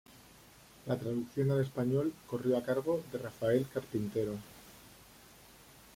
La traducción al español corrió a cargo de Rafael Carpintero.